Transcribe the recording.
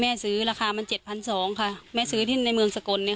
แม่ซื้อราคามัน๗๒๐๐บาทค่ะแม่ซื้อที่ในเมืองสะกนเนี่ย